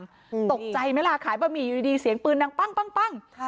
อืมตกใจไหมล่ะขายบะหมี่อยู่ดีดีเสียงปืนดังปั้งปั้งปั้งค่ะ